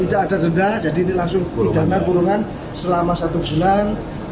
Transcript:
tidak ada denda jadi ini langsung pidana kurungan selama satu bulan